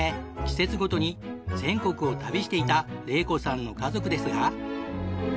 季節ごとに全国を旅していた玲子さんの家族ですが。